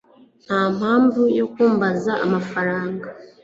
ntampamvu yo kumbaza amafaranga